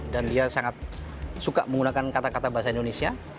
dan dia sangat suka menggunakan kata kata bahasa indonesia